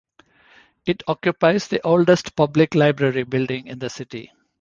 It occupies the oldest public library building in the city.